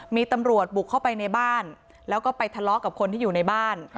มีตำรวจบุกเข้าไปในบ้านแล้วก็ไปทะเลาะกับคนที่อยู่ในบ้าน